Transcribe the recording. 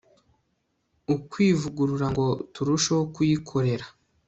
ukwivugurura, ngo turusheho kuyikorera